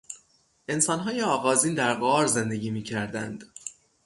انسانهای آغازین در غار زندگی میکردند.